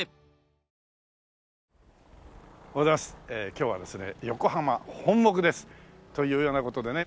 今日はですね横浜本牧です。というような事でね